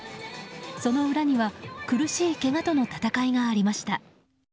その裏には苦しいけがとの闘いがありました。